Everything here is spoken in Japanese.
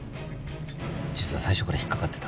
実は最初から引っかかってた。